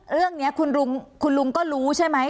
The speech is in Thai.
เรื่องนี้คุณลุงก็รู้ใช่ไหม